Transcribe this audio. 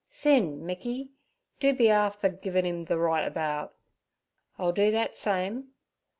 'Thin, Micky, do be afther givin' 'im ther roight about.' 'I'll do that same.'